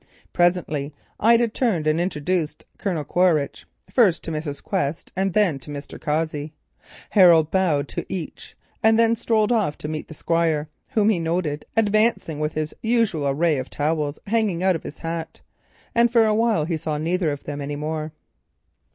Presently Ida turned and introduced Colonel Quaritch, first to Mrs. Quest and then to Mr. Cossey. Harold bowed to each, and then strolled off to meet the Squire, whom he noted advancing with his usual array of protective towels hanging out of his hat, and for a while saw neither of them any more.